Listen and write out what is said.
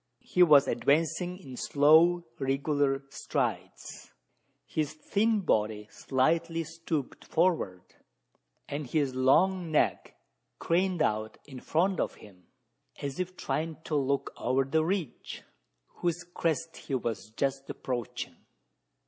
He was advancing in slow irregular strides, his thin body slightly stooped forward, and his long neck craned out in front of him as if trying to look over the ridge, whose crest he was just approaching.